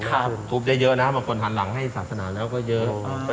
ครับถูกเยอะนะฮะมันกดหันหลังให้ศาสนาแล้วก็เยอะ